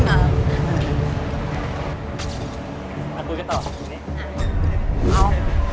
อ่าไปห้องน้ำ